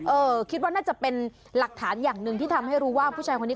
คิดว่าน่าจะเป็นหลักฐานอย่างหนึ่งที่ทำให้รู้ว่าผู้ชายคนนี้